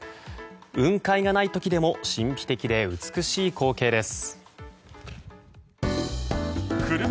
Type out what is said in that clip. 雲海がない時でも神秘的で美しい光景です。